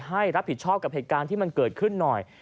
ให้รับผิดชอบกับเหตุการณ์ที่มันเกิดขึ้นหน่อย